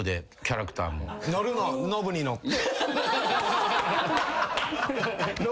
乗るのはノブに乗って。